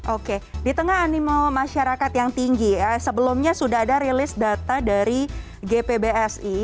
oke di tengah animo masyarakat yang tinggi sebelumnya sudah ada rilis data dari gpbsi